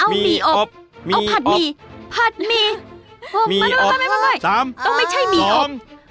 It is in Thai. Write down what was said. ไม่ไหวต้องไม่ใช่หมี่อบ